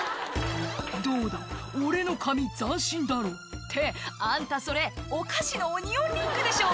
「どうだ俺の髪斬新だろ？」ってあんたそれお菓子のオニオンリングでしょ